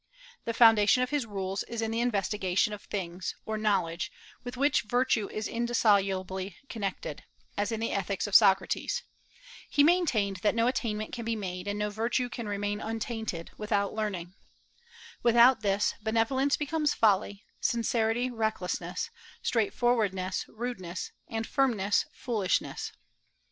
The foundation of his rules is in the investigation of things, or knowledge, with which virtue is indissolubly connected, as in the ethics of Socrates. He maintained that no attainment can be made, and no virtue can remain untainted, without learning. "Without this, benevolence becomes folly, sincerity recklessness, straightforwardness rudeness, and firmness foolishness."